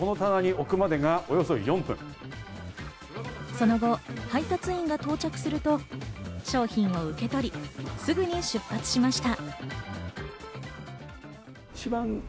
その後、配達員が到着すると、商品を受け取り、すぐに出発しました。